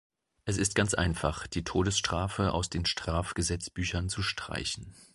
Es ist ganz einfach, die Todesstrafe aus den Strafgesetzbüchern zu streichen.